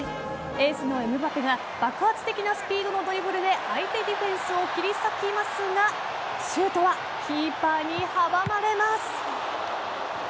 エースのエムバペが爆発的なスピードのドリブルで相手ディフェンスを切り裂きますがシュートはキーパーに阻まれます。